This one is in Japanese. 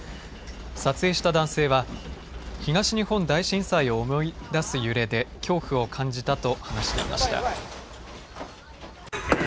撮影した男性は、東日本大震災を思い出す揺れで恐怖を感じたと話していました。